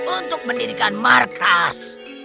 untuk mendirikan markas